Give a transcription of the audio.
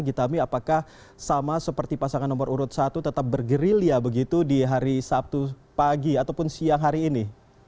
gitami apakah sama seperti pasangan nomor urut satu tetap bergerilya begitu di hari sabtu pagi ataupun siang hari ini